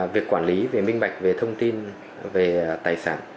việc quản lý về minh bạch về thông tin về tài sản